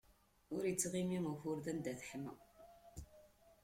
Ur ittɣimi ukured anda teḥma.